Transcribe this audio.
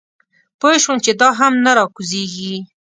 پوی شوم چې دا هم نه راکوزېږي.